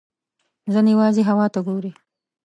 ځینې یوازې هوا ته ګوري.